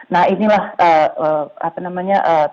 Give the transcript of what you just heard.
nah inilah apa namanya